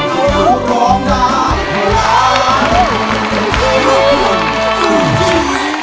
ร้องได้ร้องได้